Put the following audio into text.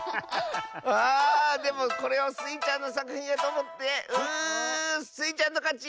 あでもこれをスイちゃんのさくひんやとおもってうスイちゃんのかち！